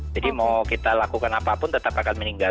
jadi mau kita lakukan apapun tetap akan meninggal